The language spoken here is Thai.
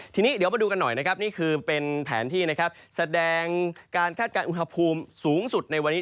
ทีนี้เดี๋ยวมาดูกันหน่อยนะครับนี่คือเป็นแผนที่นะครับแสดงการคาดการณ์อุณหภูมิสูงสุดในวันนี้